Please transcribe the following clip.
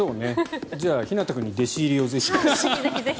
じゃあ、ひなた君に弟子入りをぜひ。